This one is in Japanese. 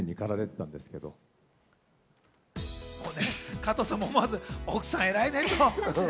加藤さんも思わず、奥さん偉いねと。